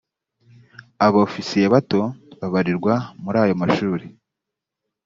abofisiye bato babarirwa muri ayo mashuri